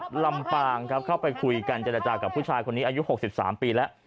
ลำปางครับเข้าไปคุยกันเจรจากับผู้ชายคนนี้อายุ๖๓ปีแล้ว